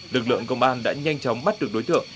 lực lượng công an đã nhanh chóng bắt được đối tượng